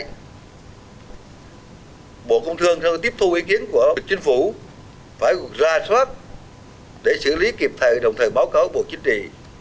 thủ tướng tiếp thu ý kiến của bộ chính phủ phải ra soát để xử lý kịp thời đồng thời báo cáo bộ chính trị